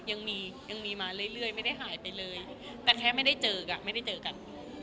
ยังมียังมีมาเรื่อยไม่ได้หายไปเลยแต่แค่ไม่ได้เจอกันไม่ได้เจอกัน